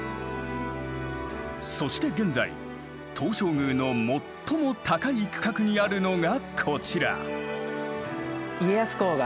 そして現在東照宮の最も高い区画にあるのがこちら。